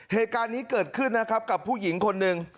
เหตุการณ์นี้เกิดขึ้นนะครับกับผู้หญิงคนหนึ่ง